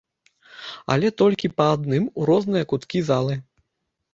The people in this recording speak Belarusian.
Але толькі па адным, у розныя куткі залы.